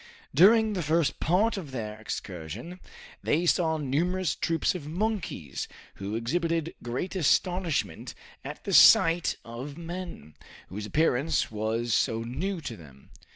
During the first part of their excursion, they saw numerous troops of monkeys who exhibited great astonishment at the sight of men, whose appearance was so new to them.